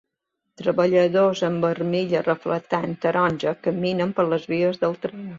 Treballadors amb armilla reflectant taronja caminen per les vies del tren.